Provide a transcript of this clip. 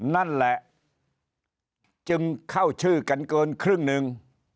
นั่นแหละจึงเข้าชื่อกันเกินครึ่งหนึ่ง